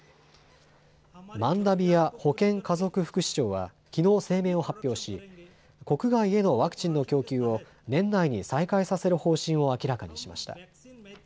マンダビヤ保健・家族福祉相はきのう声明を発表し国外へのワクチンの供給を年内に再開させる方針を明らかにしました。